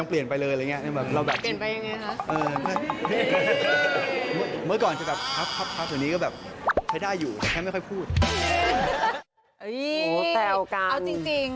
เขินไม่ยุ่งนี่คือบอกเลยผมเข้าใจเลยทำไมคุณพ่อที่มีลูกสาวนี่จะต้องแบบ